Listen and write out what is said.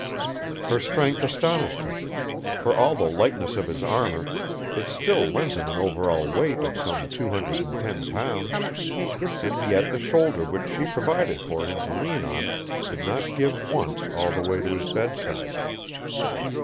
Her strength astonished him: for all the lightness of his armor, it still lent him an over all weight of some two hundred and ten pounds; and yet the shoulder which she provided for him to lean on did not give once all the way to his bedside.